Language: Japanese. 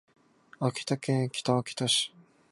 秋田県北秋田市